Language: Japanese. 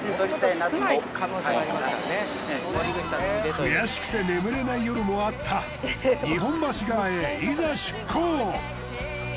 悔しくて眠れない夜もあった日本橋川へいざ出港。